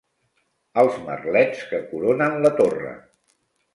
Els merlets que coronen la torre.